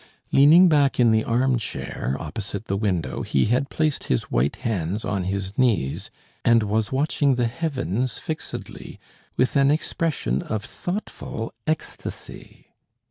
Leaning back in the arm chair, opposite the window, he had placed his white hands on his knees, and was watching the heavens fixedly with an expression of thoughtful ecstasy.